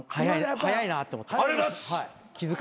早いなと思って。